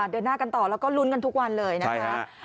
เดินหน้ากันต่อแล้วก็ลุ้นกันทุกวันเลยนะคะ